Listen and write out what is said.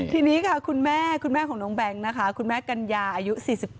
ทีนี้ค่ะคุณแม่คุณแม่ของน้องแบงค์นะคะคุณแม่กัญญาอายุ๔๘